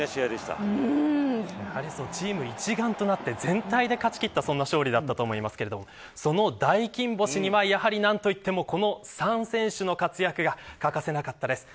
やはりチーム一丸となって全体で勝ち取ったそんな勝利だったと思いますがその大金星にはこの３選手の活躍が欠かせなかったんです。